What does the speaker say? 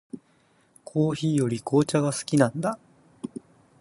コーヒーより紅茶が好きなんだ。